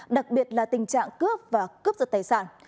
đặc biệt là tình trạng cướp và cướp giật tài sản